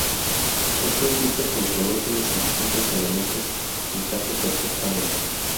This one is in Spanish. Esto implica que el color de los distintos elementos encaje perfectamente.